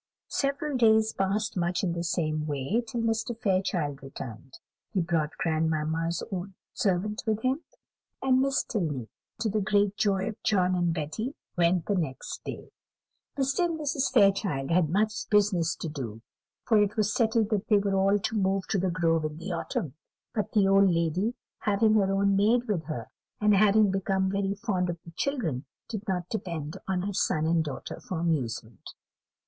Several days passed much in the same way, till Mr. Fairchild returned. He brought grandmamma's own servant with him; and Miss Tilney, to the great joy of John and Betty, went the next day. Mr. and Mrs. Fairchild had much business to do, for it was settled that they were all to move to The Grove in the autumn; but the old lady, having her own maid with her, and having become very fond of the children, did not depend on her son and daughter for amusement.